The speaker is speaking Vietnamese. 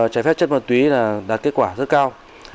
trái phép chất ma túy đạt kết quả rất cao